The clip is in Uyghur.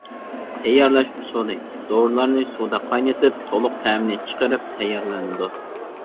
تەييارلاش ئۇسۇلى: دورىلارنى سۇدا قاينىتىپ، تولۇق تەمىنى چىقىرىپ تەييارلىنىدۇ.